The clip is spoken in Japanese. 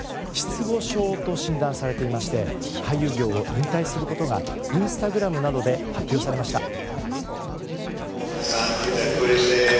失語症と診断されていまして俳優業を引退することがインスタグラムなどで発表されました。